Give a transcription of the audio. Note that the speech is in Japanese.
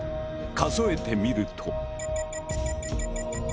数えてみると。